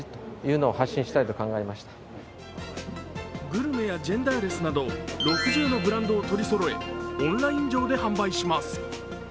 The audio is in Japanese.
グルメやジェンダーレスなど６０のブランドを取りそろえオンライン上で販売します。